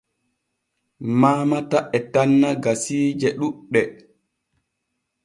Maamata e tanna gasiije ɗuuɗɗe.